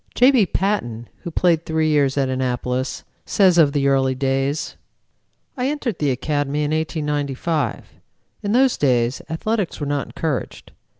J. B. Patton, who played three years at Annapolis, says of the early days: "I entered the Academy in 1895. In those days athletics were not encouraged.